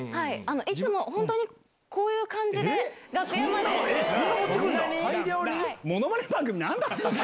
いつも本当にこういう感じで楽屋まで。